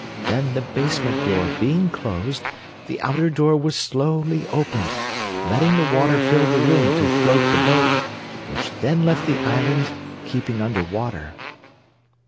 Then the basement door being closed, the outer door was slowly opened, letting the water fill the room to float the boat, which then left the island, keeping under water."